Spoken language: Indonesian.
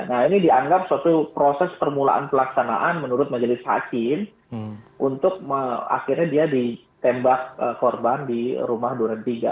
nah ini dianggap suatu proses permulaan pelaksanaan menurut majelis hakim untuk akhirnya dia ditembak korban di rumah duren tiga